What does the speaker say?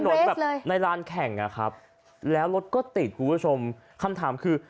แบบในร้านแข่งอ่ะครับแล้วรถก็ติดคุณผู้ชมคำถามคือ